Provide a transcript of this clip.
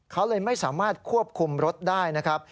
เขาเลยไม่สามารถควบคุมรถได้นะครับ